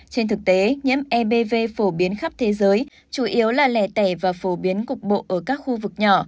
trên thực tế nhiễm ebvv phổ biến khắp thế giới chủ yếu là lẻ tẻ và phổ biến cục bộ ở các khu vực nhỏ